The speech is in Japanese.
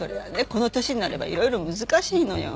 この年になればいろいろ難しいのよ。